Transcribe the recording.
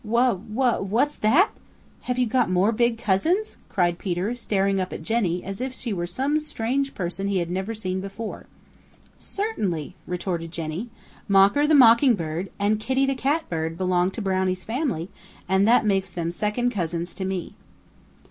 "Wha wha what's that? Have you got more big cousins?" cried Peter, staring up at Jenny as if she were some strange person he never had seen before. "Certainly," retorted Jenny. "Mocker the Mockingbird and Kitty the Catbird belong to Brownie's family, and that makes them second cousins to me."